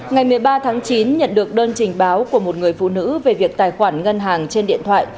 ngày một mươi ba tháng chín nhận được đơn trình báo của một người phụ nữ về việc tài khoản ngân hàng trên điện thoại